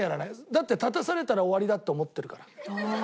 だって立たされたら終わりだって思ってるから。